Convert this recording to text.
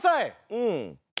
うん。